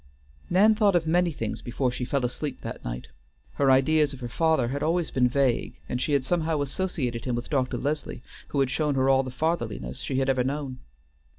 Nan thought of many things before she fell asleep that night. Her ideas of her father had always been vague, and she had somehow associated him with Dr. Leslie, who had shown her all the fatherliness she had ever known.